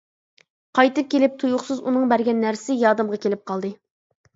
قايتىپ كېلىپ تۇيۇقسىز ئۇنىڭ بەرگەن نەرسىسى يادىمغا كېلىپ قالدى.